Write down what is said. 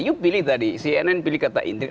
anda pilih tadi cnn pilih kata intrik